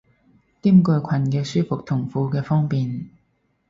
兼具裙嘅舒服同褲嘅方便